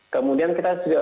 kemudian kita sudah